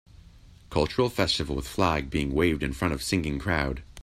Cultural festival with flag being waved in front of singing crowd.